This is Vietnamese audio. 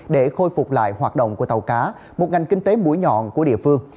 để khôi phục lại hoạt động của tàu cá một ngành kinh tế mũi nhọn của địa phương